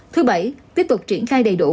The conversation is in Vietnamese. thứ bảy tiếp tục triển khai đầy đủ